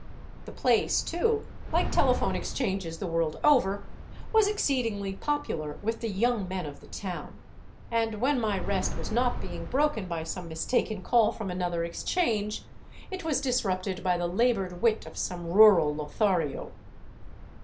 The place, too, like telephone exchanges the world over, was exceedingly popular with the young men of the town, and when my rest was not being broken by some mistaken call from another exchange, it was disrupted by the labored wit of some rural Lothario.